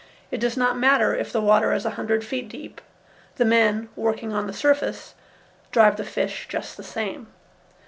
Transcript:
It does not matter if the water is a hundred feet deep, the men, working on the surface, drive the fish just the same.